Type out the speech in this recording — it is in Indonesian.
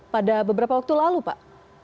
pada beberapa waktu lalu pak